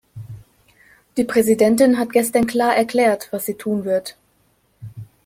Die Präsidentin hat gestern klar erklärt, was sie tun wird.